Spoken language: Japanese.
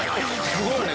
すごいね。